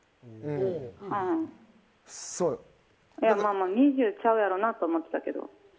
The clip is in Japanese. まあ２０ちゃうやろなと思ってたけど。